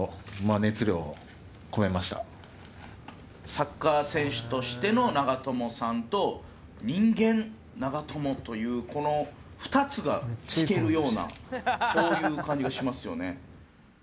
サッカー選手としての長友さんと人間長友というこの２つが聴けるようなそういう感じがしますよね。